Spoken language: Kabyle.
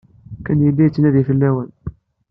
Ken yella yettnadi fell-awen.